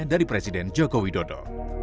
dari presiden joko widodo